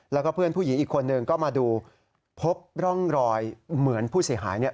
แล้วก็เพื่อนผู้หญิงอีกคนนึงก็มาดูพบร่องรอยเหมือนผู้เสียหายเนี่ย